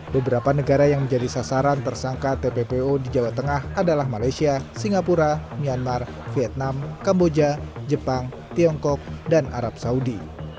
beberapa negara yang menjadi sasaran tersangka tppo di jawa tengah adalah malaysia singapura myanmar vietnam kamboja jepang tiongkok dan arab saudi